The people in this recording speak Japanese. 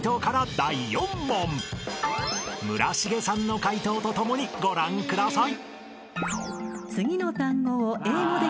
［村重さんの解答とともにご覧ください］